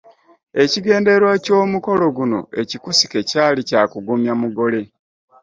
Ekigendererwa ky’omukolo guno ekikusike kyali kya kugumya mugole.